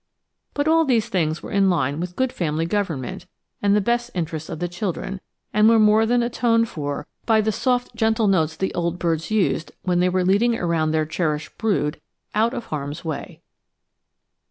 But all these things were in line with good family government and the best interests of the children, and were more than atoned for by the soft gentle notes the old birds used when they were leading around their cherished brood out of harm's way.